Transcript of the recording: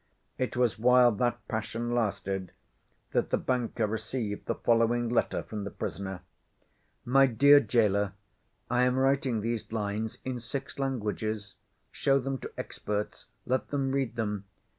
It was while that passion lasted that the banker received the following letter from the prisoner: "My dear gaoler, I am writing these lines in six languages. Show them to experts. Let them read them.